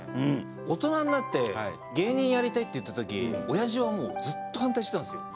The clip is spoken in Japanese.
大人になって芸人やりたいって言ったときおやじはもうずっと反対してたんですよ。